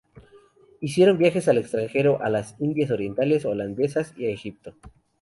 Hicieron viajes al extranjero a las Indias orientales holandesas y a Egipto.